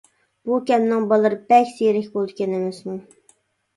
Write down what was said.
بۇ كەمنىڭ بالىلىرى بەك زېرەك بولىدىكەن ئەمەسمۇ؟ !